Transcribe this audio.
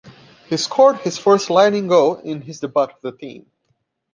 He scored his first Lightning goal in his debut with the team.